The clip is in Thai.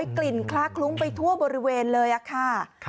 กลิ่นคล้าคลุ้งไปทั่วบริเวณเลยค่ะ